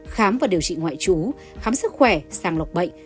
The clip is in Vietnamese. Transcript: khám và điều trị ngoại trú khám sức khỏe sàng lọc bệnh